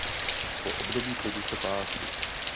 Po období klidu se páří.